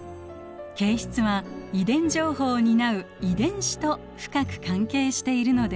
形質は遺伝情報を担う遺伝子と深く関係しているのです。